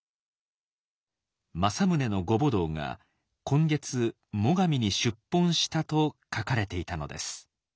「政宗のご母堂が今月最上に出奔した」と書かれていたのです。